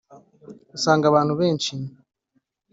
usanga abantu benshi